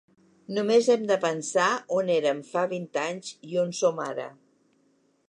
Només hem de pensar on érem fa vint anys i on som ara.